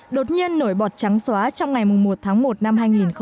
đột nhiên nổi bọt trắng xóa trong ngày một tháng một năm hai nghìn một mươi tám